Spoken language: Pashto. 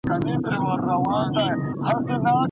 فارمسي پوهنځۍ سمدستي نه لغوه کیږي.